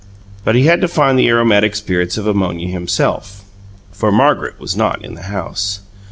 But he had to find the aromatic spirits of ammonia himself, for Margaret was not in the house.